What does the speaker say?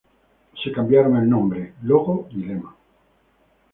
Se cambiaron el nombre, logo y lema.